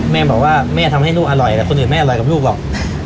แม่บอกว่าแม่ทำให้ลูกอร่อยแต่คนอื่นไม่อร่อยกับลูกหรอก